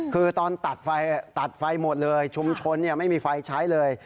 คือตอนตัดไฟตัดไฟหมดเลยชุมชนไม่มีไฟใช้เลย